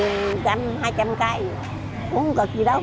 uống không cần gì đâu